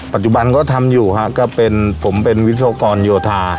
ปัจจุบันก็ทำอยู่ฮะก็เป็นผมเป็นวิศวกรโยธา